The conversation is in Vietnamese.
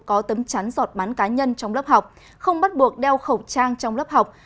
có tấm chắn giọt bắn cá nhân trong lớp học không bắt buộc đeo khẩu trang trong lớp học